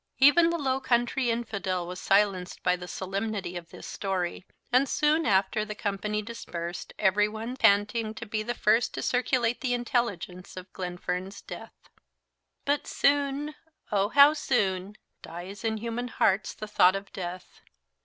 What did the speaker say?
Even the low country infidel was silenced by the solemnity of this story; and soon after the company dispersed, everyone panting to be the first to circulate the intelligence of Glenfern's death. But soon oh, how soon! "dies in human hearts the thought of death!"